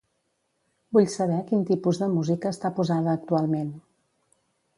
Vull saber quin tipus de música està posada actualment.